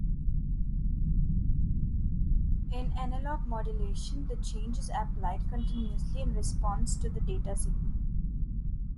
In analogue modulation, the change is applied continuously in response to the data signal.